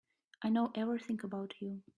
I know everything about you.